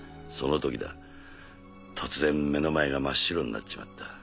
その時だ突然目の前が真っ白になっちまった。